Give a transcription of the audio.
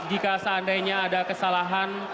jika seandainya ada kesalahan